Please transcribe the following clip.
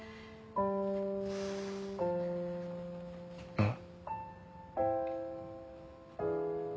うん。